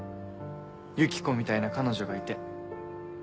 ユキコみたいな彼女がいて。